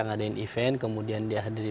mengadakan event kemudian dia hadir di